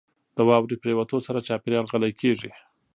• د واورې پرېوتو سره چاپېریال غلی کېږي.